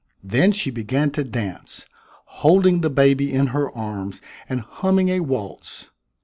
Then she began to dance, holding the baby in her arms and humming a waltz.